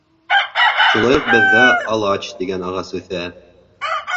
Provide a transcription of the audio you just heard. Шулай уҡ беҙҙә алач тигән ағас үҫә.